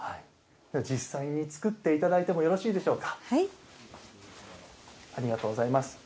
実際に作っていただいてもよろしいでしょうか。